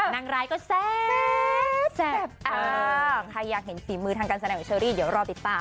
นางรายก็แซ่บแซ่บแซ่บอ๋อถ้าอยากเห็นฝีมือทางการแสดงกับเชอรี่เดี๋ยวรอติดตาม